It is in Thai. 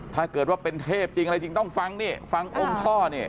ถ้าเกิดว่าเป็นเทพจริงอะไรจริงต้องฟังนี่ฟังองค์พ่อนี่